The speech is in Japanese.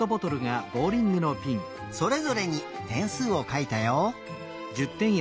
それぞれにてんすうをかいたよ。